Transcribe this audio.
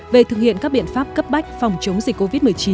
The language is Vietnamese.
về thực hiện các biện pháp cấp bách phòng chống dịch covid một mươi chín